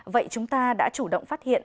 vậy chúng ta đã chủ động phát hiện